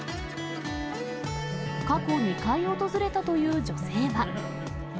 過去２回訪れたという女性は。